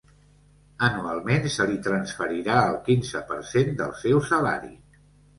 Anualment se li transferirà el quinze per cent del seu salari.